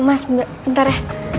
mas mbak bentar ya